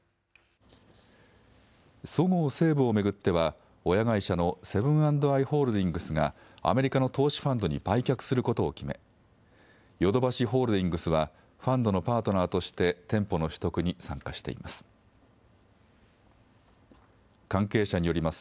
そごう・西武を巡っては、親会社のセブン＆アイ・ホールディングスが、アメリカの投資ファンドに売却することを決め、ヨドバシホールディングスは、ファンドのパートナーとして店舗の取得に参加しています。